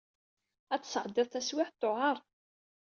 Ad tesɛeddiḍ taswiɛt tewɛer.